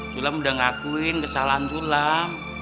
sulam udah ngakuin kesalahan sulam